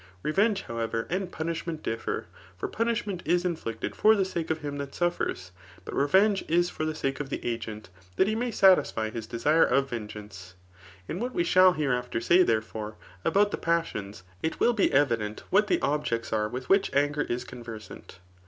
Revenge, however, and punishment diflPer. For punish ment is inflicted for the sake of him that suffers ; but revenge is for the sake of the agent, that he may satisfy [bis desire of vengeance.] In what we shall hereafter say, therefore, about the passions, it will be evident what the objects are with which anger is conversant.